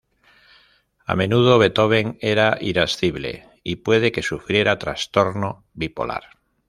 A menudo, Beethoven era irascible y puede que sufriera trastorno bipolar.